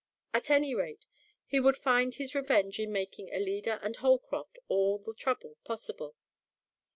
At any rate, he would find his revenge in making Alida and Holcroft all the trouble possible.